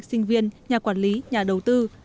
sinh viên nhà quản lý nhà đầu tư